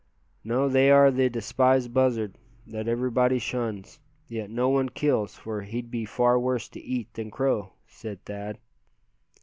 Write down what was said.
"No, they are the despised buzzard, that everybody shuns, yet no one kills, for he'd be far worse to eat than crow," said Thad.